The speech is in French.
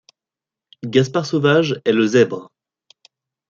Gaspard Sauvage est Le Zèbre.